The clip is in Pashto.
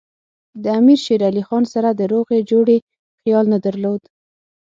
د امیر شېر علي خان سره د روغې جوړې خیال نه درلود.